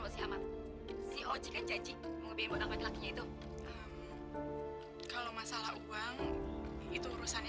sampai jumpa di video selanjutnya